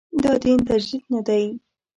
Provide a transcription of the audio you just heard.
دا دین تجدید نه دی.